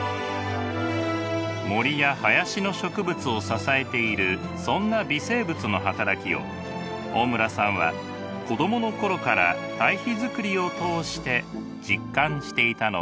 森や林の植物を支えているそんな微生物の働きを大村さんは子供の頃から堆肥作りを通して実感していたのです。